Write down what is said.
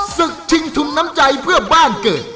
ศึกชิงทุนน้ำใจเพื่อบ้านเกิด